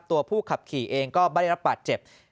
ตัวผู้ขับขี่เองก็ไม่ได้รับบาดเจ็บ